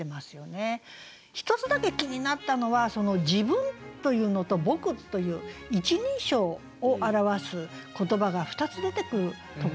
１つだけ気になったのは「自分」というのと「僕」という１人称を表す言葉が２つ出てくるところなんですよね。